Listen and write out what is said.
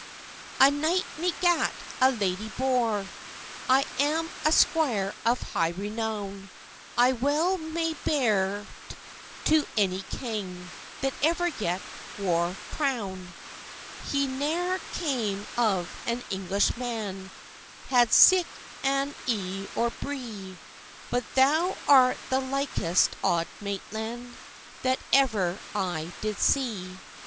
"A knight me gat, a ladye bore, I am a squire of high renown; I well may bear't to any king That ever yet wore crown." "He ne'er came of an Englishman, Had sic an e'e or bree; But thou art the likest Auld Maitland, That ever I did see.